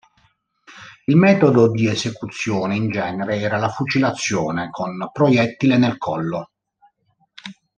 Il metodo di esecuzione in genere era la fucilazione con proiettile nel collo.